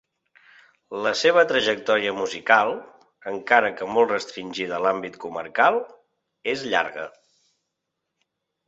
La seva trajectòria musical, encara que molt restringida a l’àmbit comarcal, és llarga.